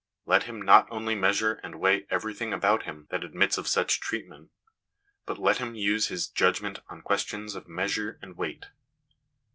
Let him not only measure and weigh everything about him that admits of such treatment, but let him use his judgment on questions of measure and weight.